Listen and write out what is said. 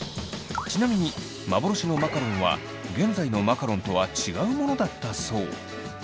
ちなみに幻のマカロンは現在のマカロンとは違うものだったそう。